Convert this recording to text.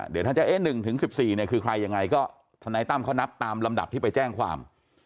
เดี๋ยวท่านจะเอ๊ะ๑๑๔เนี่ยคือใครยังไงก็ทนายตั้มเขานับตามลำดับที่ไปแจ้งความ